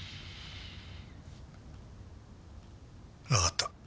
わかった。